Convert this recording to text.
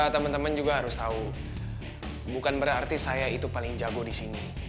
teman teman juga harus tahu bukan berarti saya itu paling jago di sini